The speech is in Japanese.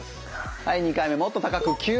はい２回目もっと高くきゅ。